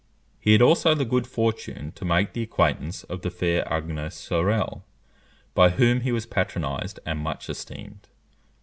He had also the good fortune to make the acquaintance of the fair Agnes Sorel, by whom he was patronised and much esteemed.